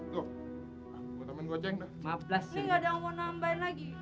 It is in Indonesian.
ini gak ada yang mau nambahin lagi